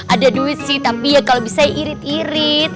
ada duit sih tapi ya kalau bisa irit irit